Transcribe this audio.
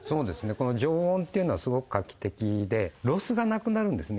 この常温っていうのはすごく画期的でロスがなくなるんですね